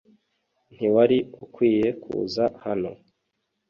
ntiwari ukwiye kuza hano